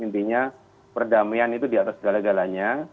intinya perdamaian itu di atas segala galanya